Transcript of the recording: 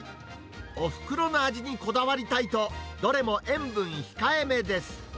おふくろの味にこだわりたいと、どれも塩分控えめです。